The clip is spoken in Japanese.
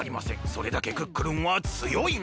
それだけクックルンはつよいんです！